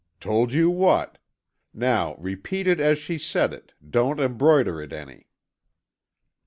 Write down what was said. "Told you what? Now, repeat it as she said it, don't embroider it any."